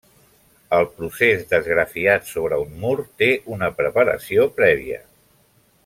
El procés d'esgrafiat sobre un mur té una preparació prèvia.